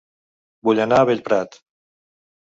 Vull anar a Bellprat